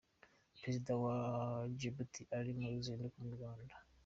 Perezida wa Djibouti ari mu ruzinduko mu Rwanda.